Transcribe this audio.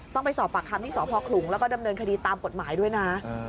ต้องไปสอบปากคำที่สพขลุงแล้วก็ดำเนินคดีตามกฎหมายด้วยนะ